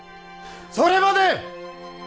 それまで！